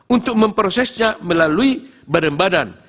untuk memprosesnya melalui badan badan